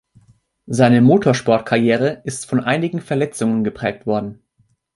Seine Motorsportkarriere ist von einigen Verletzungen geprägt worden.